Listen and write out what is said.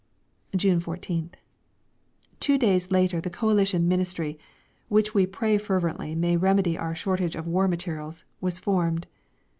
June 14th. Two days later the Coalition Ministry, which we pray fervently may remedy our shortage of war materials, was formed.